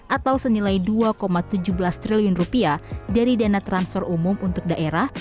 atau senilai dua tujuh belas triliun dari dana transfer umum untuk daerah